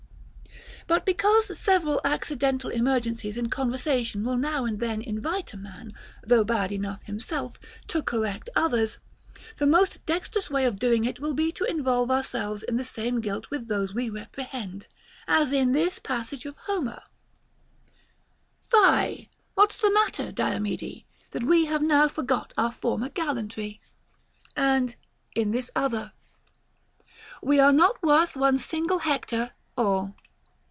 * 33. But because several accidental emergencies in con versation will now and then invite a man, though bad enough himself, to correct others, the most dexterous way of doing it will be to involve ourselves in the same guilt with those we reprehend ; as in this passage of Homer, Fie, what's the matter, Diomede, that we Have now forgot our former gallantry 1 and in this other, We are not worth one single Hector all.